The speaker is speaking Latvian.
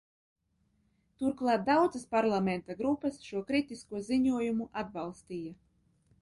Turklāt daudzas Parlamenta grupas šo kritisko ziņojumu atbalstīja.